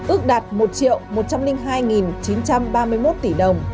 ước đạt một một trăm linh hai chín trăm ba mươi một tỷ đồng